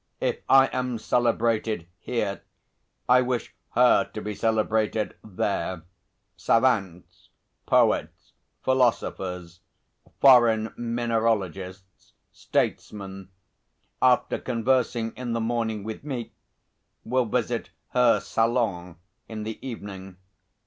"If I am celebrated here, I wish her to be celebrated there. Savants, poets, philosophers, foreign mineralogists, statesmen, after conversing in the morning with me, will visit her salon in the evening.